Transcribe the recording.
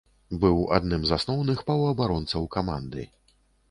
Быў адным з асноўных паўабаронцаў каманды.